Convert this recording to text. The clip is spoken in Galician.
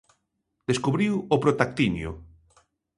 Descubriu o protactinio.